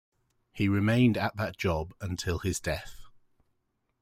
He remained at that job until his death.